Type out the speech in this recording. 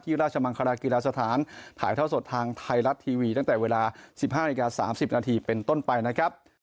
ราชมังคลากีฬาสถานถ่ายเท่าสดทางไทยรัฐทีวีตั้งแต่เวลา๑๕นาฬิกา๓๐นาทีเป็นต้นไปนะครับ